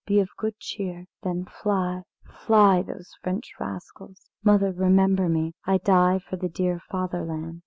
Be of good cheer. They fly, they fly, those French rascals! Mother, remember me I die for the dear Fatherland."